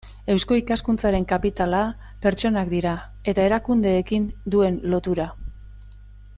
Eusko Ikaskuntzaren kapitala pertsonak dira eta erakundeekin duen lotura.